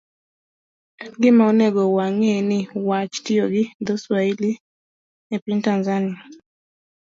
En gima onego wang'e ni wach tiyo gi dho-Swahili e piny Tanzania,